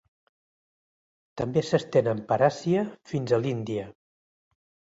També s'estenen per Àsia fins a l'Índia.